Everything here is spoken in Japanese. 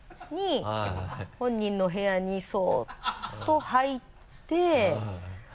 本人の部屋にそっと入って。